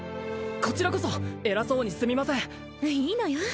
こちらこそ偉そうにすみませんいいのよ